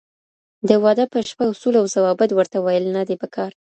د واده په شپه اصول او ضوابط ورته ويل ندي پکار.